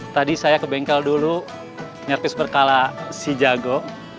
tadi saya ke bengkel dulu nyerpis berkala si jago